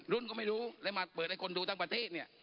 รุ่นก็ไม่รู้แล้วมาเปิดให้คนดูทั้งประเทศเนี่ย